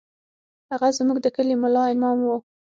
هغه زموږ د کلي ملا امام و.